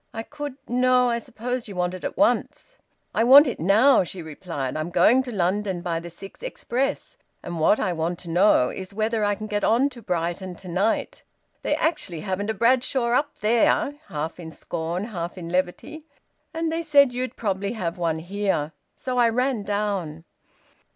I could No, I suppose you want it at once?" "I want it now," she replied. "I'm going to London by the six express, and what I want to know is whether I can get on to Brighton to night. They actually haven't a Bradshaw up there," half in scorn and half in levity, "and they said you'd probably have one here. So I ran down."